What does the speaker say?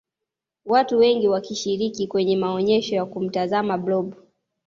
watu wengi wakishiriki kwenye maonyesho ya kumtazama blob